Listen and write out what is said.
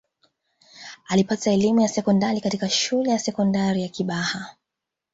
alipata elimu ya sekondari katika shule ya sekondari ya kibaha